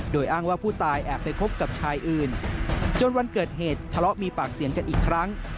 โดยอ้างว่าผู้ตายแอบไปคบกับชายอื่นจนวันเกิดเหตุทะเลาะมีปากเสียงกันอีกครั้ง